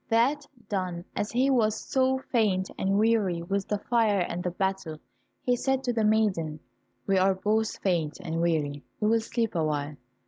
That done, as he was so faint and weary with the fire and the battle, he said to the maiden, "We are both faint and weary, we will sleep awhile."